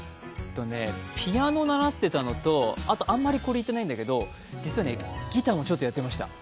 ピアノ習ってたのとあんまりこれ言ってないんだけどギターもちょっとやってました。